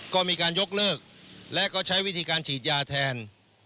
ก็มีการยกเลิกและก็ใช้วิธีการฉีดยาแทน